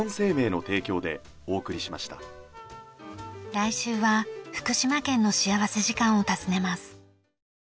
来週は福島県の幸福時間を訪ねます。